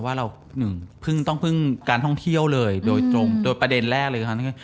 ว่าเราหนึ่งต้องพึ่งการท่องเที่ยวเลยโดยประเด็นแรกเลยค่ะ